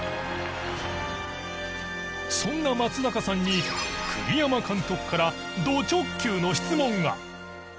そんな松坂さんに栗山監督からド直球の質問が。